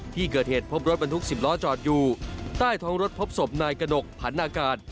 ที่เกิดเหตุพบรถบรรทุก๑๐ล้อจอดอยู่ใต้ท้องรถพบศพนายกระหนกผันนาการ